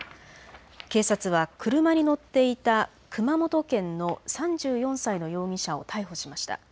警察は車に乗っていた熊本県の３４歳の容疑者を逮捕しました。